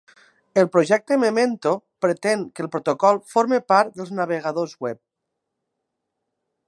El projecte Memento pretén que el protocol forme part dels navegadors web.